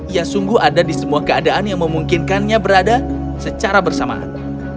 ia sungguh ada di semua keadaan yang memungkinkannya berada secara bersamaan